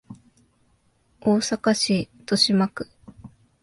大阪市都島区